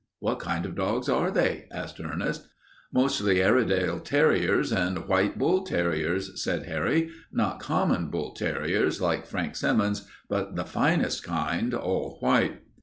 "What kind of dogs are they?" asked Ernest. "Mostly Airedale terriers and white bull terriers," said Harry. "Not common bull terriers, like Frank Symonds's, but the finest kind, all white."